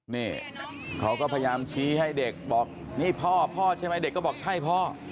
นี่เขาก็พยายามชี้ให้เด็กบอกนี่พ่อพ่อใช่ไหมเด็กก็บอกใช่พ่อ